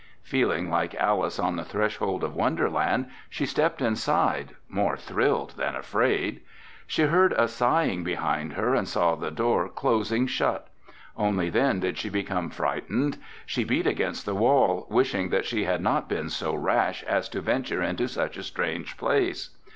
Feeling like Alice on the threshold of Wonderland, she stepped inside, more thrilled than afraid. She heard a sighing behind her and saw the door closing shut. Only then did she become frightened. She beat against the wall, wishing that she had not been so rash as to venture into such a strange place.